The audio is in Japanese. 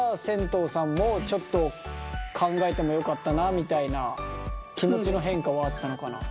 とうさんもちょっと考えてもよかったなみたいな気持ちの変化はあったのかな？